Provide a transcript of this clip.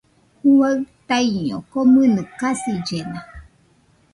Juaɨ taiño komɨnɨ kasillesa.